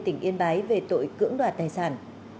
tỉnh yên bái về tội cưỡng đoạt tài sản